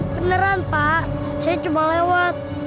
beneran pak saya cuma lewat